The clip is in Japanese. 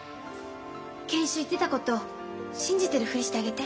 研修行ってたこと信じてるふりしてあげて。